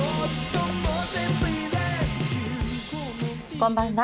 こんばんは。